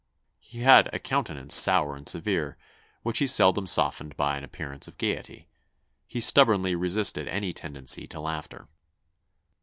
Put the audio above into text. He had a countenance sour and severe, which he seldom softened by an appearance of gaiety. He stubbornly resisted any tendency to laughter."